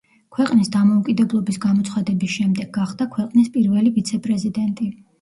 ქვეყნის დამოუკიდებლობის გამოცხადების შემდეგ გახდა ქვეყნის პირველი ვიცე-პრეზიდენტი.